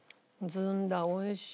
ずんだ美味しい。